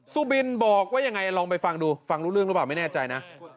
สุบินบอกว่ายังไงลองไปฟังดูฟังรู้เรื่องหรือเปล่าไม่แน่ใจนะ